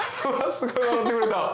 すごい笑ってくれた！